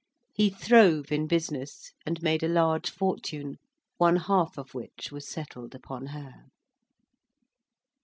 He throve in business, and made a large fortune, one half of which was settled upon her.